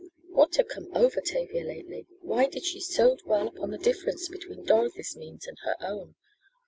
What had come over Tavia lately? Why did she so dwell upon the difference between Dorothy's means and her own?